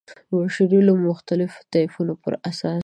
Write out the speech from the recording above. د بشري علومو مختلفو طیفونو پر اساس.